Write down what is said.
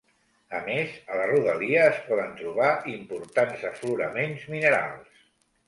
A més, a la rodalia es poden trobar importants afloraments minerals.